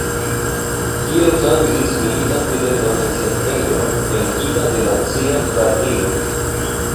Tio kaŭzis militan ribelon en septembro, venkita de Nacia Gvardio.